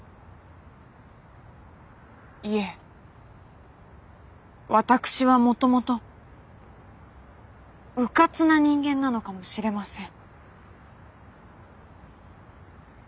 いえ私はもともとうかつな人間なのかもしれません。